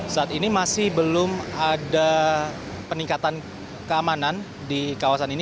saat ini masih belum ada peningkatan keamanan di kawasan ini